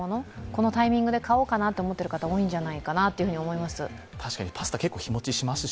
このタイミングで買いおうかなと思ってる方、多いんじゃないかと思います。